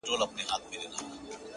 په څو ځلي مي ستا د مخ غبار مات کړی دی”